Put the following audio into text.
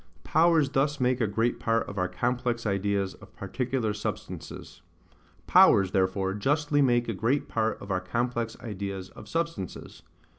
Powers thus make a great Part of our complex Ideas of particular Substances. POWERS therefore justly make a great part of our complex ideas of substances.